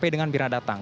dengan mirna datang